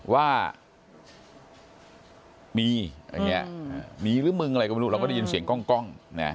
ว่ามีอย่างนี้มีหรือมึงอะไรก็ไม่รู้เราก็ได้ยินเสียงกล้อง